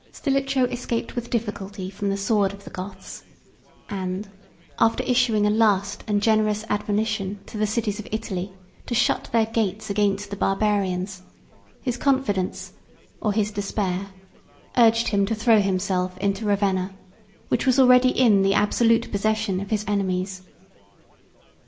Stilicho escaped with difficulty from the sword of the Goths and, after issuing a last and generous admonition to the cities of Italy, to shut their gates against the Barbarians, his confidence, or his despair, urged him to throw himself into Ravenna, which was already in the absolute possession of his enemies.